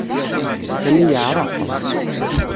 Sami yeɛreq.